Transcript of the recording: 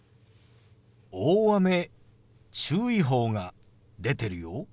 大雨注意報が出てるよ。